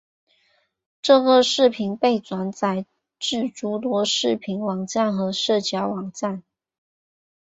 这个视频被转载至诸多视频网站和社交网站。